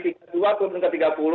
turun ke tiga puluh